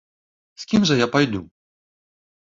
З кім жа я пайду?